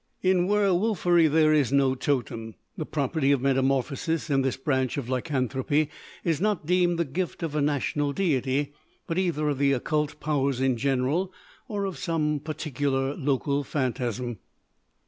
In werwolfery there is no "totem." The property of metamorphosis, in this branch of lycanthropy, is not deemed the gift of a national deity, but either of the Occult Powers in general or of some particular local phantasm.